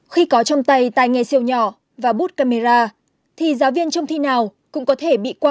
khi có trong tay tài nghe siêu nhỏ và bút camera thì giáo viên trong thi nào cũng có thể bị quạt